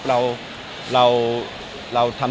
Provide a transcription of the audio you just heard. เราทำทุกอย่างด้วยความบริสุทธิ์ใจ